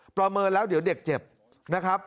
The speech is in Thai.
ประเมินแล้วเดี๋ยวเด็กเจ็บนะครับ